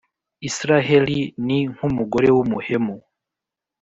Israheli ni nk’umugore w’umuhemu